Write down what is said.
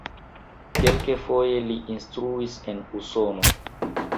Kelkfoje li instruis en Usono.